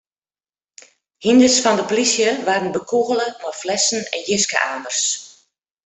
Hynders fan de polysje waarden bekûgele mei flessen en jiske-amers.